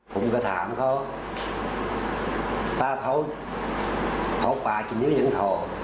ผมก็ถามเขาป้าเขาเขาปลากินนี้ก็ยังทอ